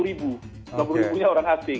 sepuluh ribunya orang asing